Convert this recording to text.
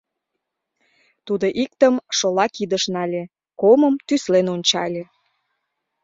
Тудо иктым шола кидыш нале, комым тӱслен ончале.